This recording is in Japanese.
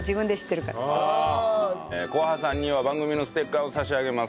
こはさんには番組のステッカーを差し上げます。